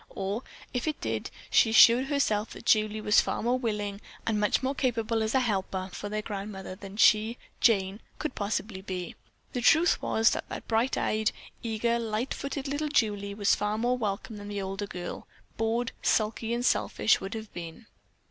Or, if it did, she assured herself that Julie was far more willing and much more capable as a helper for their grandmother than she, Jane, could possibly be. The truth was that bright eyed, eager, light footed little Julie was far more welcome than the older girl, bored, sulky, and selfish, would have been.